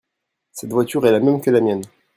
Cette voiture est la même que la mienne.